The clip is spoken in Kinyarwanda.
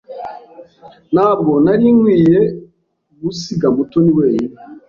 Ntabwo nari nkwiye gusiga Mutoni wenyine.